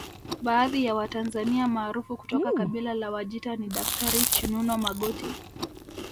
Baadhi ya Watanzania maarufu kutoka kabila la Wajita ni Daktari Chinuno Magoti